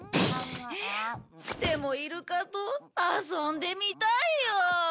でもイルカと遊んでみたいよ。